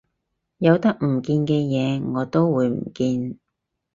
有得唔見嘅嘢我都會唔見